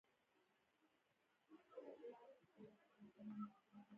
د دولت اقتصادي ځواک د نفوذ په وړتیا کې دی